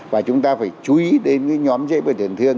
và chúng ta phải chú ý đến nhóm dây bệnh tiền thương